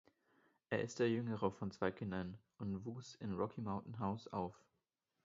Er ist der jüngere von zwei Kindern und wuchs in Rocky Mountain House auf.